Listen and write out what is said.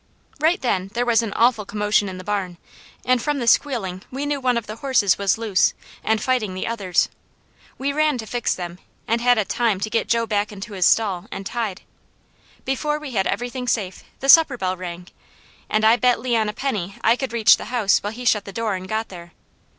Right then there was an awful commotion in the barn, and from the squealing we knew one of the horses was loose, and fighting the others. We ran to fix them, and had a time to get Jo back into his stall, and tied. Before we had everything safe, the supper bell rang, and I bet Leon a penny I could reach the house while he shut the door and got there.